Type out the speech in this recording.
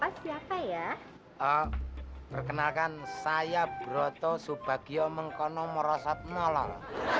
siapa ya perkenalkan saya broto subagio mengkonomi rosak nolong